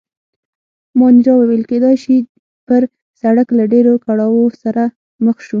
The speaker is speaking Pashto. مانیرا وویل: کېدای شي، پر سړک له ډېرو کړاوو سره مخ شو.